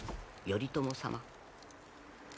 頼朝様。